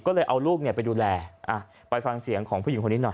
ก็เลยเอาลูกเนี่ยไปดูแลไปฟังเสียงของผู้หญิงคนนี้หน่อย